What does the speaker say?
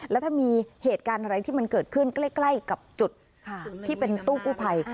แล้วถ้ามีเหตุการณ์อะไรที่มันเกิดขึ้นใกล้กับจุดที่เป็นตู้กู้ภัย